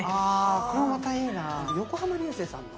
これもまたいいなあ横浜流星さんの？